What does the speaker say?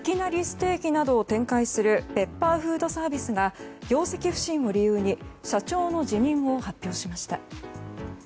ステーキなどを展開するペッパーフードサービスが業績不振を理由に社長の辞任を発表しました。